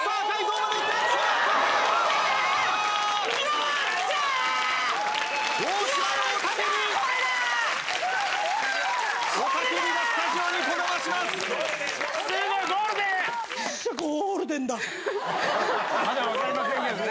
まだ分かりませんけどね。